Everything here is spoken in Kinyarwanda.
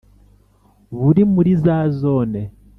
buri muri za Zone